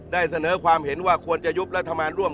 ได้เสนอความเห็นว่าควรจะยุบรัฐบาลร่วม